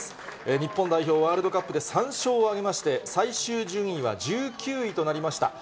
日本代表、ワールドカップで３勝を挙げまして、最終順位は１９位となりました。